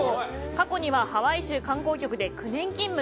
過去にはハワイ州観光局で９年勤務。